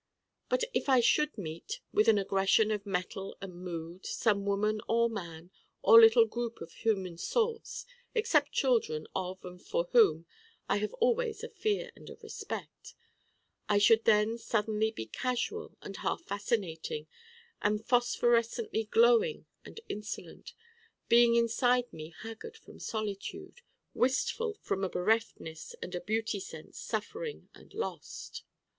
But if I should meet, with an aggression of mettle and mood, some woman or man or little group of human sorts (except children of and for whom I have always a fear and a respect) I should then suddenly be casual and half fascinating and phosphorescently glowing and insolent: being inside me haggard from solitude, wistful from a bereftness and a beauty sense, suffering and lost.